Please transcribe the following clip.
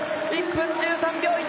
１分１３秒１９！